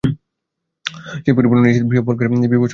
সেই পরিপূর্ণ, নিশ্চিত, বিহ্বলকারী, বীভৎস সাদৃশ্য।